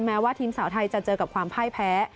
แม้ว่าทีมสาวไทยจะเจอกับความพ่ายแพ้